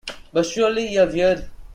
But surely you’ve heard?